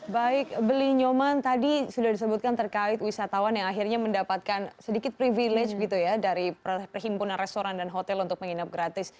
baik beli nyoman tadi sudah disebutkan terkait wisatawan yang akhirnya mendapatkan sedikit privilege gitu ya dari perhimpunan restoran dan hotel untuk menginap gratis